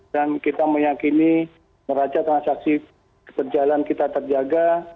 dan kita meyakini meraca transaksi perjalanan kita terjaga